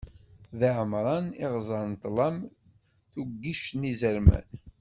Biɛemṛan, iɣzeṛ n ṭṭlam, tuggict n yiẓerman.